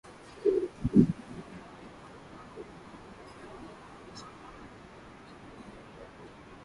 Uroa na Mikunguni kwa kujenga maktaba za skuli au kuboresha utunzaji wake.